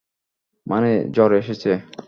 মানে, জ্বর এসেছে।